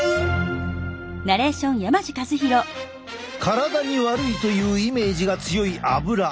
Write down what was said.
体に悪いというイメージが強いアブラ。